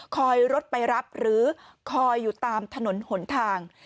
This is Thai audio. รถไปรับหรือคอยอยู่ตามถนนหนทาง